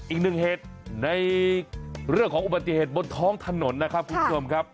อีกหนึ่งเหตุในเรื่องของอุบัติเหตุบนท้องถนนนะครับคุณผู้ชมครับ